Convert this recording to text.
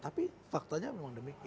tapi faktanya memang demikian